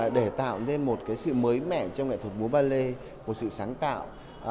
để tạo nên một sự mới mẻ trong nghệ thuật búa ballet một sự sáng tạo